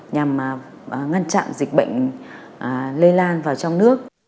nhằm ngăn chặn dịch bệnh lây lan vào trong nước